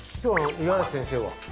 五十嵐先生